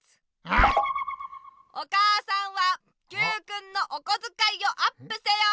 うん⁉お母さんはＱくんのおこづかいをアップせよ！